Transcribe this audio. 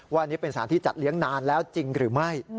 ว่าอันนี้เป็นสารที่จัดเลี้ยงนานแล้วจริงหรือไม่